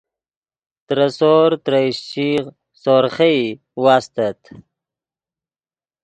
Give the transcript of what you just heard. ترے سور ترے اشچیغ سورخئی واستت